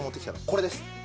これです。